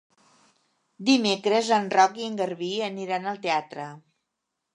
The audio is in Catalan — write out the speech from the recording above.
Dimecres en Roc i en Garbí aniran al teatre.